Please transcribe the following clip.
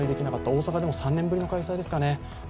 大阪も３年ぶりの開催ですかね。